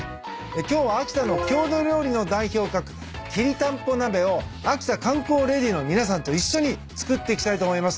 今日は秋田の郷土料理の代表格きりたんぽ鍋をあきた観光レディーの皆さんと一緒に作っていきたいと思います。